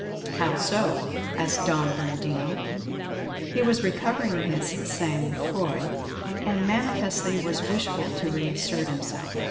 "How so?" asked Don Bernardino. He was recovering his sang froid, and manifestly was wishful to reassert himself.